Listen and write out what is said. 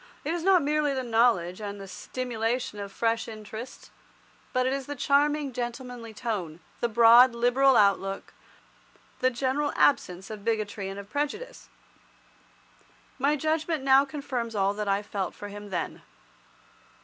It is not merely the knowledge and the stimulation of fresh interests, but it is the charming gentlemanly tone, the broad, liberal outlook, the general absence of bigotry and of prejudice. My judgment now confirms all that I felt for him then.